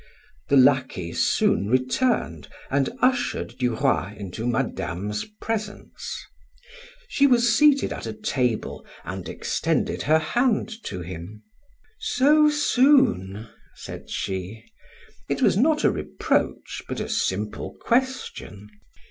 The lackey soon returned and ushered Duroy into Madame's presence. She was seated at a table and extended her hand to him. "So soon?" said she. It was not a reproach, but a simple question.